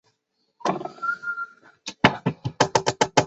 罗什勒佩鲁人口变化图示